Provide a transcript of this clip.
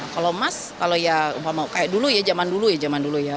kalau mas dulu ya jaman dulu ya